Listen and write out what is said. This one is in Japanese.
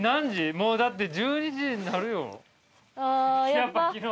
もうだって１２時になるよ。